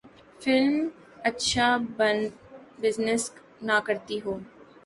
Film اچھا business نہ کرتی ہو۔